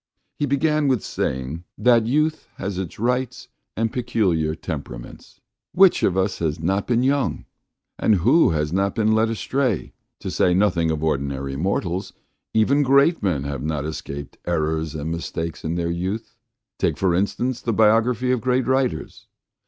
He began with saying that youth has its rights and its peculiar temptations. Which of us has not been young, and who has not been led astray? To say nothing of ordinary mortals, even great men have not escaped errors and mistakes in their youth. Take, for instance, the biography of great writers.